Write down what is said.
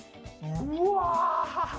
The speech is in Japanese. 「うわ！